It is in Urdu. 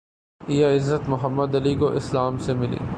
یہ عزت محمد علی کو اسلام سے ملی